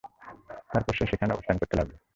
তারপর সে সেখানে অবস্থান করতে থাকল।